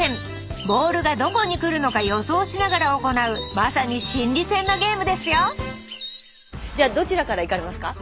ボールがどこに来るのか予想しながら行うまさに心理戦のゲームですよじゃあどちらからいかれますか？